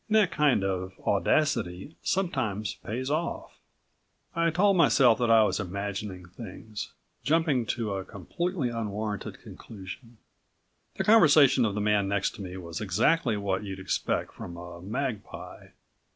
And that kind of audacity sometimes pays off. I told myself that I was imagining things, jumping to a completely unwarranted conclusion. The conversation of the man next to me was exactly what you'd expect from a magpie.